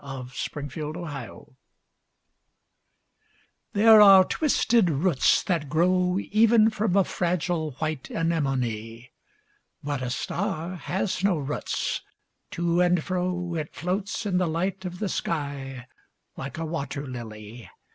DiqllzodbvCoOgle STAR SONG These are twisted roots that grow Even from a fragile white anemone. 'But a star has no roots : to and fro It floats in the light of the sky, like a wat«r ]ily.